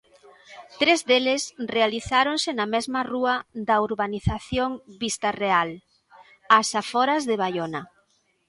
Tres deles realizáronse na mesma rúa da urbanización Vista Real, ás aforas de Baiona.